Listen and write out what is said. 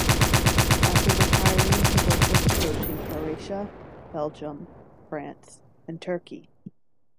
After retiring he worked as a coach in Croatia, Belgium, France and Turkey.